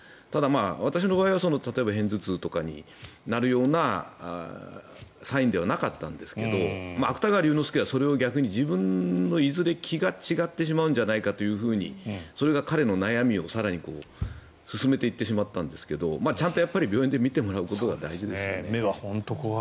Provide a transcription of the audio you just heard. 私の場合は片頭痛になるようなサインではなかったんですが芥川龍之介はそれを逆に自分のいずれ気が違ってしまうのではとそれが彼の悩みを、更に進めていってしまったんですがちゃんと病院で診てもらうことが大事ですね。